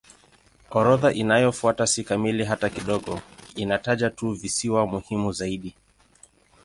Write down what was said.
Orodha inayofuata si kamili hata kidogo; inataja tu visiwa muhimu zaidi.